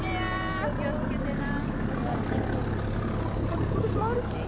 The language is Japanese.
・気をつけてな。